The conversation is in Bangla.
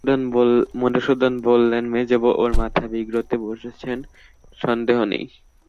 মধুসূদন বললে, মেজোবউ ওর মাথা বিগড়োতে বসেছেন সন্দেহ নেই।